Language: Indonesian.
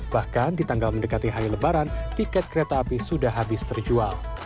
bahkan di tanggal mendekati hanya lebaran tiket kereta api sudah habis terjual